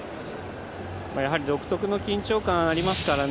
やはり独特の緊張感がありますからね。